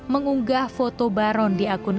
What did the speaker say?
mengunggah foto baron di akun